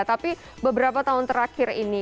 tapi beberapa tahun terakhir ini